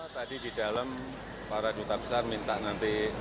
tadi di dalam para duta besar minta nanti